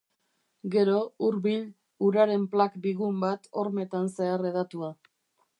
Gero, hurbil, uraren plak bigun bat, hormetan zehar hedatua.